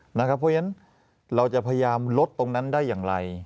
เพราะฉะนั้นเราจะพยายามลดตรงนั้นได้อย่างไร